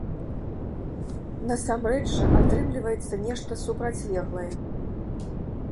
Насамрэч жа атрымліваецца нешта супрацьлеглае.